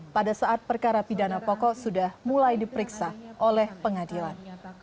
pada saat perkara pidana pokok sudah mulai diperiksa oleh pengadilan